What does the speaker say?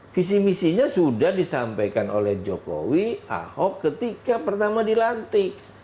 visi misinya sudah disampaikan oleh jokowi ahok ketika pertama dilantik